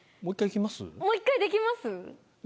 もう１回いきます？